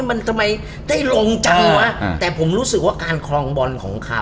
มันทำไมได้ลงจังวะแต่ผมรู้สึกว่าการคลองบอลของเขา